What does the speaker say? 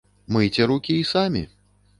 Мыйце рукі і самі.